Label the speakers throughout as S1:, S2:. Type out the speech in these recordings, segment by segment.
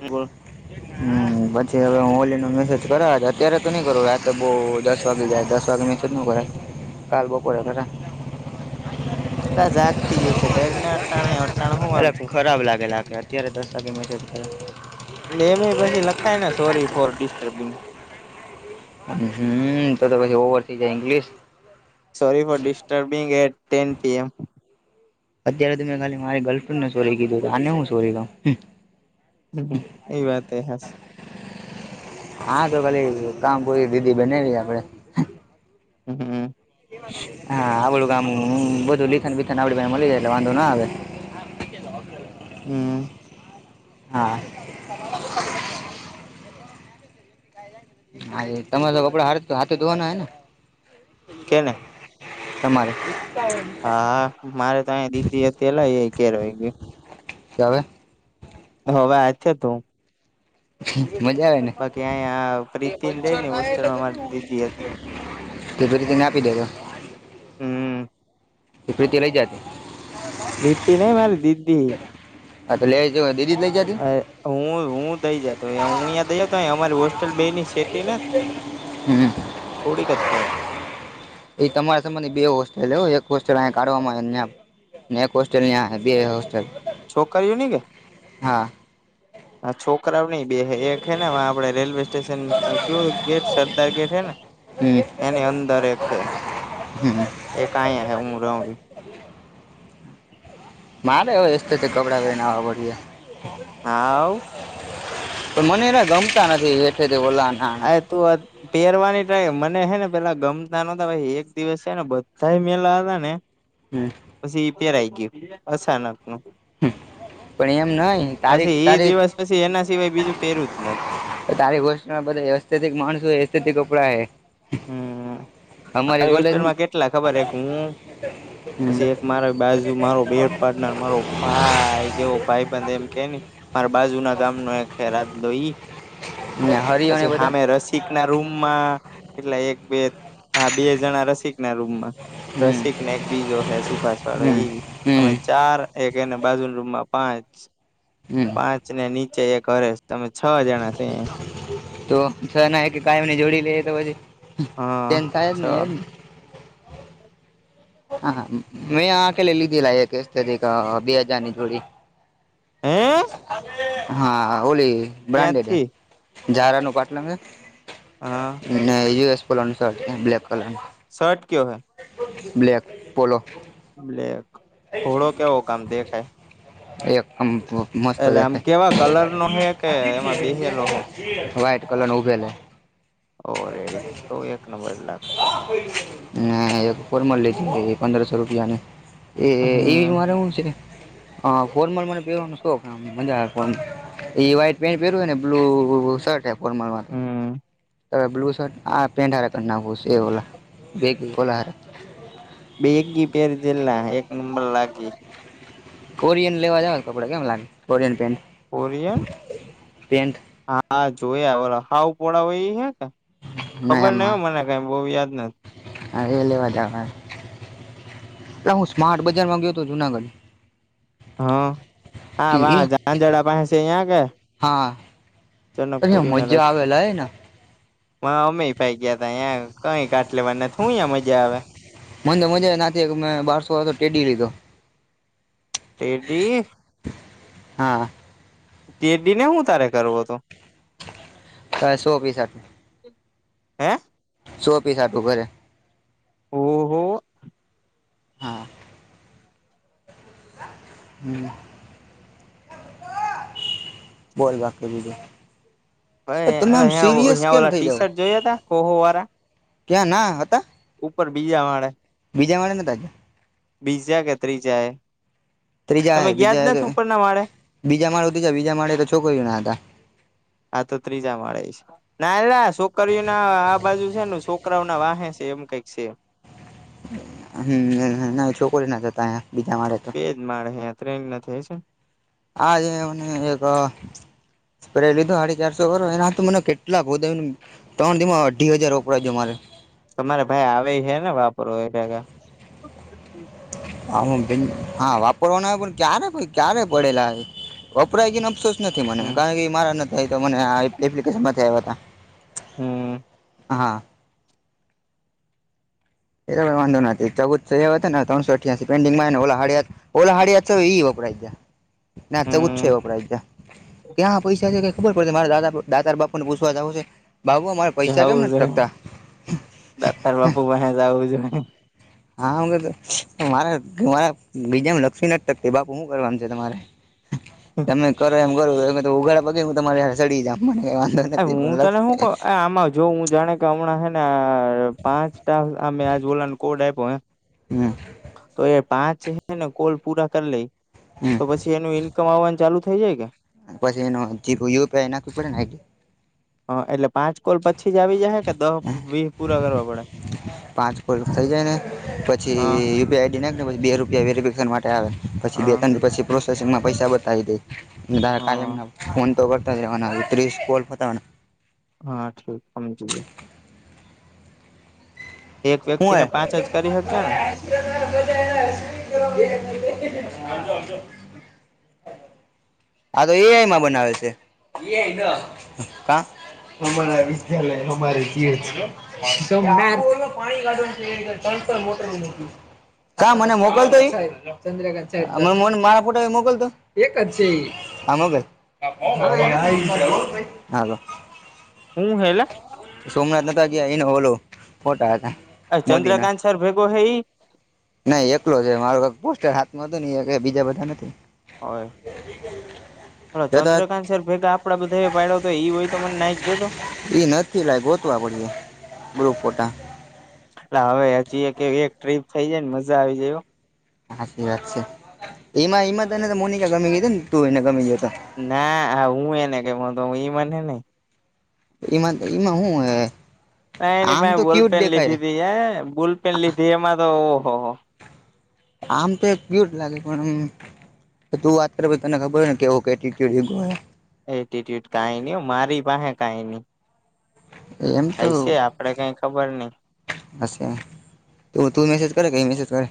S1: બોલ
S2: હમ્મ પછી હવે હું ઓલી નો મેસેજ કરાવ અત્યારે તો નહી, કરું રાતે બહુ દસ વાગે જાય દસ વાગે મેસેજ ન કરે કાલ બપોરે કરા
S1: બ જાગતી જ હશે ઘર અટાણ અટાણ હું
S2: એટલે
S1: વાંધો.
S2: ખરાબ લાગેલા કે અત્યારે દસ વાગે મેસેજ કરો,
S1: એમ પછી લખાય ને સોરી ફોર ડિસ્ટર્બિંગ
S2: હમ્મ તો તો પછી ઓવર થઈ જાય English,
S1: sorry for disturbing at ten P M
S2: અત્યારે તો મેં ખાલી મારી ગર્લફ્રેન્ડને શોરી કીધું, આને હું શોરી કઊ.
S1: હમ્મ એ વાત એ હાંસી.
S2: હા, તો ખાલી કામ પૂરી દીદી બનાવી આપડે,
S1: હમ્મ
S2: હા, આવડું કામ બધું લીથન બીથન આવડી મળી જાય, એટલે વાંધો ના આવે,
S1: હમ્મ
S2: હા, હા, એ તરે તો કપડ હાથે હાથે ધોવાના હોય ને.
S1: કેને
S2: તમારે [inaudible]
S1: હા, મારે તો આયા દીદી હતી એલાએ ઘેર વય ગઇ.
S2: તો હવે.
S1: હવે હાથે ધોવ.
S2: મજા આવેને
S1: બાકી અહીયા પ્રીતિને રહી ને હોસ્ટેલમાં મારી દીદી હતી
S2: [inaudible] [inaudible] રીતેને આપી દેવા
S1: હમ્મ
S2: પ્રીતિ લઈ જતી,
S1: પ્રીતિ નઈ મારી દીદી
S2: હા, તો લેજ દીદી જ લઈ જતી.
S1: હું હું દઈ જાતો હું અંયા દઈ જાતો અમારી હોસ્ટેલ બે ની સેટ
S2: હમ
S1: [inaudible] થોડી ક થાએ
S2: એ તમારા સંમાંધ બે હોસ્ટેલ એક હોસ્ટેલ અહીં કાઢવામાં આવે, ન એક હોસ્ટલ હ બે હોસ્ટલ
S1: છોકરીઓની કે હ છોકરાઓ નઈ બે એક હે ને આપડે રેલવે સ્ટેશન કયુ ગેટ સરદાર ગેટ હે ને
S2: હમ
S1: એની અંદર એક છે,
S2: હમ
S1: એક આયા હે હુ રવ
S2: મારે હવે એથી કપડાં પહેનાવા પડશે.
S1: હા આવ
S2: પણ મને એના ગમતા નથી હેઠ ઓલા ના
S1: આ તું પહેરવાની ટાય મને હે ને પેલા ગમતા નતા ભ એક દિવસ છે, ને બધા મેલા હતા ને
S2: હમ્મ
S1: પછી પેરાઈ ગય અચાનક નુ.
S2: [inaudible] પણ એમ નઈ તારીખ
S1: એ
S2: તારીખ
S1: દિવસ પછી એના સિવાય બીજું પેરવું જ નથી.
S2: તારી ગોષ બધસ્થિક માણસ હોય અસ્િક કપડા હે.
S1: હમ્મ
S2: અમારી
S1: મારી
S2: કોલેજમાં
S1: હોસ્ટલમાં કેટલા ખબર એક હું.
S2: હમ
S1: પછી એક મારા બાજુ મારો બે પાર્ટનર મારો ભાઈ જેવો ભાઈ બંધ એમ કે ને મારે બાજુ ના ગામનો એક રાજલો ઈ
S2: ના હરિયો એ
S1: પછી
S2: બધા
S1: [inaudible] ના રૂમમાં કેટલા એક બે બે જણા રસિક ના રૂમ
S2: હમ
S1: રસિકને એક બીજો હે સુભાષ વાળો
S2: હમ
S1: એ બી અમે
S2: હમ
S1: ચાર. એક અને બાજુ રૂમમાં પાંચ.
S2: હમ
S1: પાંચ ને નીચે એક હરે તમે છ જણા છ.
S2: તો છ ના કે કાયમને જોડી લે તો
S1: હા
S2: પછી થાય જ
S1: છ
S2: ને એમ. હા મેં આલે લીધેલા એક બે હાજારની જોડી.
S1: હે
S2: હા ઓલી બ્રાન્ડેડ.
S1: ક્યાંથી
S2: ારનું પાટલે.
S1: હા.
S2: ના યુ એસ પોલોનું સર બ્લાક કલર.
S1: શર્ટ કયો હૈ.
S2: બ્લેક પોોલો.
S1: બલેક ઘોડો કેવો કામ દેખાય.
S2: એકદમ મસ્તજ
S1: એટલે આમ
S2: છે.
S1: કેવા કલર નો હે કે એમાં બેહેલો હે
S2: વ્હઇટ કલર ન ઉભેલ.
S1: ઓ રેડી તો એક નંબર લાગતો.
S2: હ એક ફરમલ લીધી પંદરસો રૂપિયા ની. એ એવી
S1: હમ
S2: મારે શું છે ફોર મને પવાનો શોખ મજા આવે. એ વ્હાઈટ પેન્ટ પહેરવય ને બ્લુ શર્ટ ફનરવા.
S1: હમ.
S2: ત બ્લુ શર્ટ આ પેન્ટ હ નાખું એ ઓ બે હ.
S1: બે એકી પેર જેલા એક નંબર લાગી.
S2: કોરિયન લેવા જાવ કપડા કેમ લાગે કોરિયન પેન્ટ
S1: કોરિયન
S2: પેન્ટ.
S1: હા જોયા બોલો હાવ પળાવય એ હ કે ખબર નહ હોય મને કઈ બહવ યાદ નથી.
S2: હા એ લેવા જવા એટ હું સ્માર્ટ બજારમાં ગયો હતો જુનાગઢ.
S1: હ હા વાહ
S2: એક
S1: જાંજડા પા છે અહં કે.
S2: હા અ
S1: જનકપુરી ના
S2: મજા
S1: રસ્તે
S2: આવેલા હ ને.
S1: અમેય પાઈ ગયા તા તં કઈ કાટ લેવાના હું ં મજા આવે.
S2: મને તો મજા ના એક મેં બારસો વાો ટેઢ લીધો.
S1: તેડી.
S2: હા.
S1: ટરડી ને હું તારે કરવું હતો.
S2: તો એસો ઓફી સાથે.
S1: હમ.
S2: સો પીસ હતું ઘરે.
S1: ઓહો.
S2: હમ. બોલ બાકી બીજું
S1: પં
S2: તમે આમ સિરિયસ કેમ
S1: અયા ઓ
S2: થઈ
S1: ટી
S2: જાવ
S1: શર્ટ જોયા ત કોહો વાળા.
S2: ક્યાં ના હતા.
S1: ઉપર બીજા વાળે.
S2: બીજા મળ ને તજા.
S1: બીજા કે ત્રીજા એ
S2: ત્રીજા
S1: તમે યાદ
S2: બીજા
S1: નથી ઉપરના માળે.
S2: બીજા માળું જ બીજા માળે તો છોકરી ના હતા.
S1: આ તો ત્રીજા મળે છે. ના એલા છોકરીઓ ના આ બાજુ છે છોકરાઓ ના વાહે છે એમ કઈક છેમ.
S2: હમ ના છોકરી ના થતા બીજા મારે.
S1: એજ માે ત્રેન ના થ છે.
S2: હાજ મને એક. પ લીધું સાડીી ચારસો વા એના મને કેટલા હો. ત્રણ ધીમાં અઢી હજાર વપરાજો મારે.
S1: તમારે ભાઈ આવે છે ને વાપરો એ જ્યા.
S2: હ હા વાપરવાના હો પણ ક્યારે ક્યારે પડેલા વપરાય ગને અફસોસ. નથી મને
S1: હમ
S2: કારણ કે મારા નથી થ તો મને એપ્લિકેશનમાં આવ હતા.
S1: હમ.
S2: હા. એ વાંધો નથી ચૌદસો હતો ને્રણસો અઠ્યાસીંગમાં ઓ હળિયા. ઓલ હાડિયા તો એ વપરાય જા ના ચુ છો
S1: હમ
S2: એ વપરાય જા. ત્યાં પૈસા છે કે ખબર પડશે મારા દાદા દાદાર બાપુ ને પૂછવા જવું છે ભાવુ મારે.
S1: જવું જોઈ દાતર બાપુ ભ જવું જોઈ.
S2: હા હું મારા મારા બીજા લક્ષ્મી નાટક બાપુ શું કરવાનું છે તમારે. તમે કરો એમ કરો તો ઉઘાડા પગી હું તમારી સડી જ મ.
S1: એ હું ત હું ક આમા. જો હું જાણે કે હમણાં હે ને પાંચ ટા અમે આજ બોલા કોડ આપ્યો હ.
S2: હમ.
S1: તો એ પાંચ હને કોલ પૂરા કરી લઈ
S2: હમ
S1: તો પછી એનું. કમાવાનું ચાલુ થઇ જાય કે.
S2: પછસ એ નનો જીપ યુીઆઈ નાીડી.
S1: હા એટલે પાંચ કોલ પછી જ આવી જાય કે દહ વી પૂરા કરવા પડે.
S2: પાંચ ફલ થઈ જાય ને પછી
S1: હા
S2: યુપીઆ આઈડી નાખીને પછી બે રૂપિયા વેરિફિકેશન માટે આવે. પછી બે
S1: હા
S2: ત પછી પ્રોસેસિંગમાં પૈસા બતાવી દેારા કમ.
S1: હા
S2: ફોન તો કરતા ત્રી કોલતા.
S1: હા ઠીક સમજીએ. એક
S2: હું
S1: વ્યક્તિને
S2: હે
S1: પાંચ જ કરી શકી ને.
S2: [unintelligible] આા તો એઆઈમાં બનાવે છે. અમારા વિદ્યાલય અમારે જે છે. [unintelligible] હા મને મોકલતો ચંદ્રગઢ છે મારા ફોટો મોકલતો એક જ છે. આમ ભાઈ હાલ.
S1: હું હેલા.
S2: સોમનાથ ના તો ગયા એનો ઓલો ખોટા હતા.
S1: અ ચંદ્રકાંત સર ભેગો હ એ.
S2: નઈ એકલો જ માર પોસ્ટર હાથમાં હતું ન બીજા બધા નથી.
S1: હ. હ
S2: જતા
S1: ચંદ્રકાંત સર ભેગા આપડા બધા એ પાડવ તો એ હોય તો મને નાઈ જતો.
S2: ઈ નથી લાઈ ગોતું આપડ બ્રુ ફોટા.
S1: એટ હવે જોઈએ કે એક ટ્રીપ થઈ જાય ને મજા આવી જાય.
S2: સાચી વાત છે એમાં એમાં તને તો મોનિકા ગમી ગય હતી ને તું એને ગમી ગયો તો.
S1: ના હું એને કેતો ઈ મને નઈ.
S2: એમાં એમાં શું હ.
S1: ના એની ભાઈ બોલ પેન લીધીી એ બુલ પેન લીધી એમાં તો ઓહો હો.
S2: આમ તો એક ક્યુટ લાગે પણ. તો તું વાત કર તને ખબર હો ને કે એવો કેટડ.
S1: એટ્યુડ કઈ ન મારી પાસે કઈ નઈ.
S2: એમ તો.
S1: હશે આપડે કઈ ખબર નઈ
S2: હશે તો તું મેસેજ કરે ઈ મેસેજ કરે?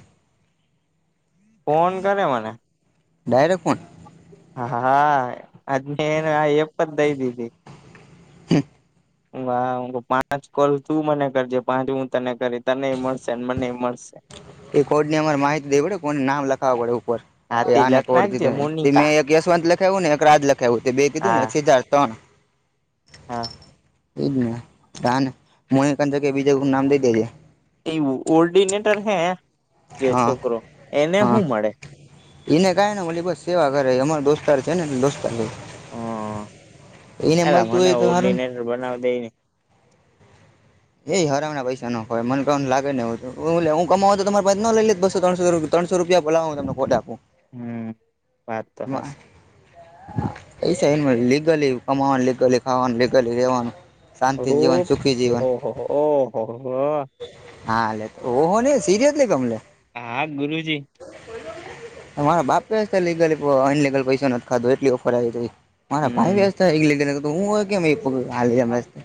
S1: ફોન કરે મને
S2: ડાયરેક ફોન
S1: હા હા હાય આજથી એને આ એપ દ દઈ દીધી. વાવ પાંચ કોલ તું મને કરજે પાંચ હું તને કરી તનેય મળશે ન મનેય મળશે
S2: એ કોડ ની અમારે માહિતી દેવડ કોન નામ લખાવ પડ ઉપર એ
S1: હાથી
S2: આને
S1: લખ
S2: કોડ
S1: નાખજે
S2: દીધું તે મેં
S1: મોનિકા
S2: એક કેશવંત લખાયવું ને એક રાજ લખાયવું તે બે કીધું ને
S1: હા
S2: અક્ષય ચાર ત્રણ
S1: હા
S2: એજ ને તાને મોનેકા ને જગ્યાએ બીજા કોઈનું નામ દઈ દેજે
S1: એવું ઓર્ડિનેટર હે જે
S2: હા
S1: છોકરો એને હું મળે?
S2: ઇને કાઈ ન મલે બસ સેવા કરે અમાર દોસ્તાર છે, ને દોસ્તાર જેવો
S1: હમ
S2: એને મલતું હોય તો હારુંન
S1: બનાવ દઈને.
S2: એય હરામના પૈસા ન ખવાય મને કઉ લાગે ને હું તો હું લે હું કમાવું હોત તો તમારે પાસે ન લઈ લેત બસો ત્રણસો રૂપ્યો. ત્રણસો રૂપિયા ભોલા હું તમને ખોટે આપું.
S1: હમ વાત તો હાચી
S2: પૈસા એનમાં લીગલી કમાવાનું લીગલી ખાવાનું લીગલી લેવાનુ
S1: રૂપ ઓહોહો ઓહોહો હ અ
S2: હા અલે ઓહો ને સિરિયસલી ગમલે.
S1: હા ગુરુજી
S2: ત મારા બાપે સે લીગલી પઅ અનલિગલ પૈસો નથી ખાધો એટલી ઓફર આવી તઇ મારા ભાઈ
S1: હમ
S2: વ્યસ્થ હિગ, લીધે ન ત તો હું હોત કે એક પગલો હાલે એમ રસ્તે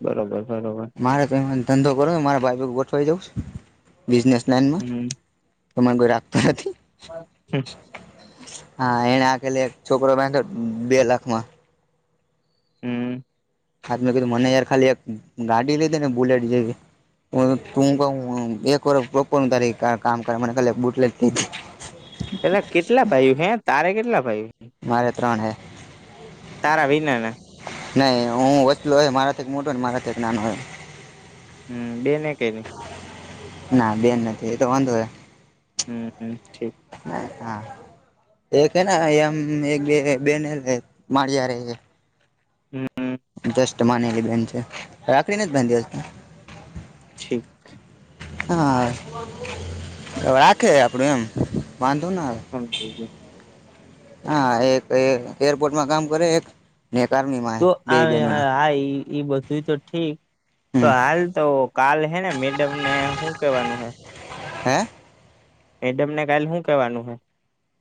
S1: બરોબર બરોબર
S2: મારે તો એહોન ધંધો કરો ને મારા ભાઈપેગ ગોઠવાઈ જાઉં છે, બિઝનેસ લાઈનમાં
S1: હમ
S2: તમે ગોઈ રાકતું નથી.
S1: [unintelligible]
S2: હા એને આખેલી એક છોકરો બાંદ્યો તો બે લાખ મા
S1: હમ્મ
S2: હાત મેં કીધું મને યાર ખાલી એક ગાડી લીદે ને બુલેટ જેવી. તું ક હું એક વરહ પ્રોપર હું તારી કા કામ કર મને ખાલી બુટલેગ ની
S1: પેલા કેટલા પાયું હે તારે કેટલા ભાયું?
S2: મારે ત્રણ હૈ.
S1: તારા વિના ને
S2: નહી હું વચલો હે મારાથીક મોટો ને મારાથીક નાનો હે.
S1: હુંમ બેને કેની
S2: ના બેન નથી એતો વાંધો હે
S1: હું હું ઠીક
S2: હ હા એક હેને હા એમ એક બે હે બેન હે એ માળીયારે હે
S1: હું અ
S2: ષ્ટ માનેલી બેન છે. રાખડી નથી બાંધી હજ
S1: છીક.
S2: હા રાખે આપડું એમ વાંધો ના આવે
S1: [unintelligible]
S2: હા, એક એર એરપોર્ટમાં કામ કરે એક ને કરની માં
S1: તો આ ઇ બધું તો ઠીક તો
S2: હમ
S1: હાલ તો કાલ હે ને મેડમ ને હું કેવાનું હે.
S2: હે
S1: મેડમ ને કાલ હું કેવાનું હે?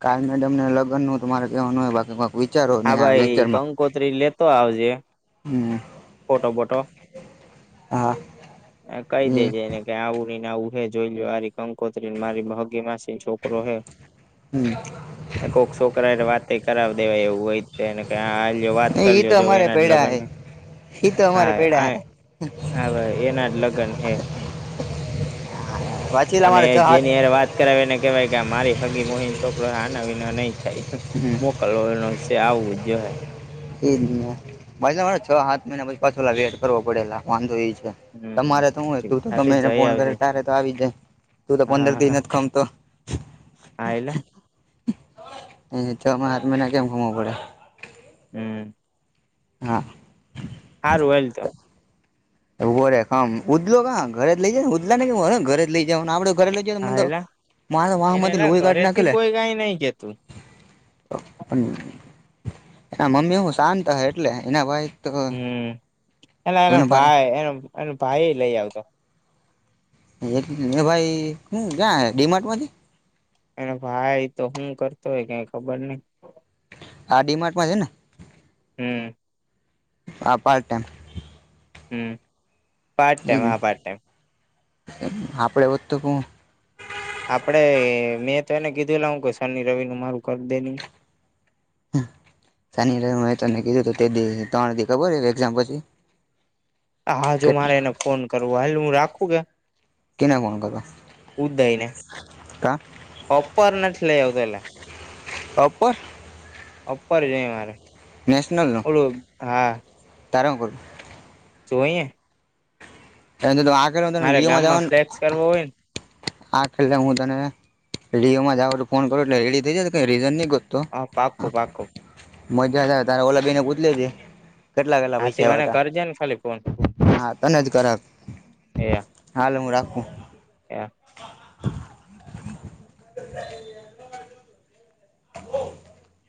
S2: કા મેડમને લગન નું તમારે કહેવાનું હોય, બાકી વિચારો
S1: હા
S2: ને આ
S1: ભાઈ કંકોત્રી લેતો આવજે
S2: હમ્મ
S1: ફોટો બટો
S2: હા
S1: કહી
S2: હમ
S1: દેજે એને આવું હીને આવું હે જોઈ લ આરી કંકોત્રી ને મારી હગી માસી છોકરો હે
S2: હમ
S1: કોક શોકરા હારે વાત કરાવ દેવાય એવું હોયને ક આવીજ વાત કરી
S2: ઈ
S1: લ્યો
S2: તો
S1: લ્યો
S2: અમારે
S1: એના જ
S2: પૈડા
S1: લગન
S2: હે ઈ તો અમારે પૈડા
S1: હા
S2: હે
S1: હા ભાઈ એના જ લગ્ન હે.
S2: વાંચેલા
S1: અને
S2: અમારે છ હાથ
S1: જેની હારે વાત કરાવીને કેવાય કે આ મારી હગી મોહી છોકરો આના વિનો નહી થાય.
S2: હમ
S1: કલોલ ન આવું જો હે.
S2: એજ નેછરે છ સાત મહિના પછી પાછ ઓલા વેટ કરવો પડેલા વાંધો એ છે.
S1: હમ
S2: તમારે તો શું હોય તું તો
S1: સાથે
S2: તમે એને
S1: જઈ
S2: ફોન કર
S1: આવજે
S2: ત્યારે તો આવી જાય તું તો
S1: હા
S2: પંદર દ
S1: હા
S2: નથી ખમતો
S1: હા એલા
S2: ઓમાં હાત મહીના કેમ ખમાવા પડે.
S1: હમ
S2: હા
S1: હારું હાલ તો
S2: ઉભોરે ખમ ઉદલો ઘરે જ લઈ જ ને ઉદલા ને ઘરે જ લઈ જને આપડે ઘેલો જ મ
S1: હા એલા
S2: મા વાહ
S1: એને
S2: માંથી
S1: એલા
S2: લોહી કાઢ નાખ
S1: ઘરેથી
S2: લ
S1: કોઈ કાઈ નઈ કેતું
S2: એના મમ્મી હું શાંત હ એટલે એના ભય
S1: હમ એના એનો ભાઈ એનો એનો ભાઈ લઈ આવતો
S2: એ ભાઈ હું ક્યાં ડીમાર્ટ માંથી
S1: એને ભાઈ તો હુ કરતો હોય કઈ ખબર નઈ.
S2: આ ડીમાર્ટમાં છે ને
S1: હમ
S2: હા પાર્ટ ટાઇમ
S1: હમ પાર્ટ ટાઈમ હા પાર્ટ ટાઈમ
S2: આપડે વધતું ક
S1: આપડે મેં તો એને કીધું લ હું ક શનિ રવિ નું મારું કરી દે ન
S2: સાની મે તમને કીધું તો તે ત્રણ દી ખબર હો એક્ઝામ પછી
S1: હા જો મારે
S2: કેટલા
S1: એને ફોન કરવો હાલ હું રાખું લા
S2: કેને ફોન કરો
S1: ઉદય ને
S2: કા
S1: અપર નથી લઇ આવતો એટલા
S2: અપર
S1: ઉપપર જ મારે
S2: નેશનલનું
S1: ઓલું હા
S2: તાર
S1: જોઈએ.
S2: એ આ કરને
S1: મારે
S2: લિયોમાં
S1: ગામમાં
S2: જાવાને
S1: ફ્લેક્સ કરવો વોય
S2: આ છેલ્લે હું તને લિયોમાં જાવું ફોન કરું એટલે રેડી થઈ જશે તો કઈ રીઝન નહીં ગોતતો
S1: હ પાકકુ પાકકુ
S2: મજા આવે તારે ઓલા બેને ગુત લે જે કેટલા કેટલા
S1: હાથી
S2: પૈસા આવ
S1: મને
S2: હતા
S1: કરજે ને ખાલી ફોન
S2: હા તને જ કરક હાલ હું રાખું.
S1: એ હા
S2: [inaudible] [inaudible] બ [unintelligible]